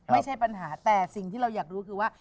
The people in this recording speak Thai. ไม่ใช่ปัญหาแต่สิ่งที่เราอยากรู้คือว่า